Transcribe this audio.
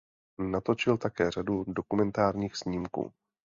Natočil také řadu dokumentárních snímků.